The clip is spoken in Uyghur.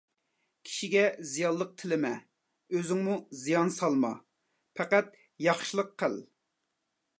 كىشىگە زىيانلىق تىلىمە، ئۆزۈڭمۇ زىيان سالما، پەقەت ياخشىلىق قىل.